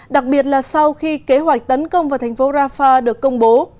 đặc biệt là sau khi kế hoạch tấn công vào thành phố rafah được công bố